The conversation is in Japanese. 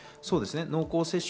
そうですね。